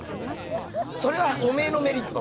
それはおめえのメリットだ。